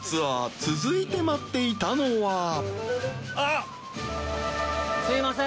続いて待っていたのは△叩すいません